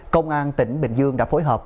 công an tỉnh bình dương đã phối hợp